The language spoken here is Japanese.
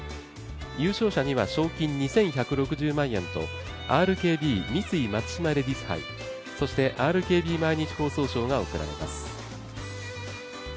優勝者には賞金２１６０万円とＲＫＢ×三井松島レディス杯、そしてＲＫＢ毎日放送賞が贈られます。